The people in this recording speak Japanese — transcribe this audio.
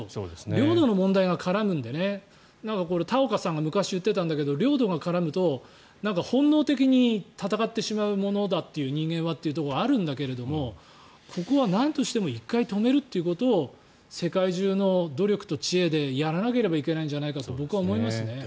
領土の問題が絡むのでだから、タオカさんが昔、言ってたんだけど領土が絡むと本能的に戦ってしまうものだという人間はというところはあるんだけどここはなんとしても１回止めるということを世界中の努力と知恵でやらなければいけないんじゃないかと僕は思いますね。